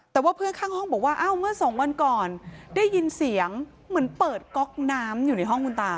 แต่ว่าเพื่อนข้างห้องบอกว่าอ้าวเมื่อสองวันก่อนได้ยินเสียงเหมือนเปิดก๊อกน้ำอยู่ในห้องคุณตา